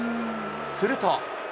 すると。